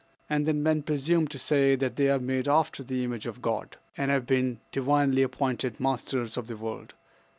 And then men presume to say that they are made after the image of God, and have been divinely appointed masters of the world!